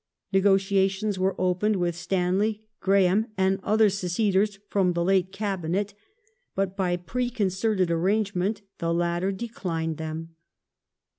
Negotiations were opened with Stanley, Graham, and other seceders from the late Cabinet, but by preconcerted arrangement the latter declined them.